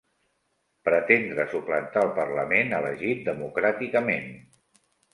Pretendre suplantar el parlament elegit democràticament.